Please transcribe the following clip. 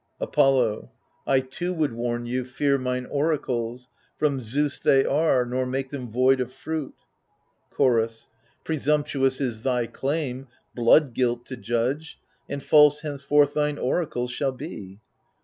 Apollo I too would warn you, fear mine oracles — From Zeus they are, — nor make them void of fruit. Chorus Presumptuous is thy claim, blood guilt to judge, And false henceforth thine oracles shall be.